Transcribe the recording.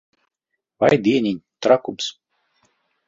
Vai dieniņ! Trakums.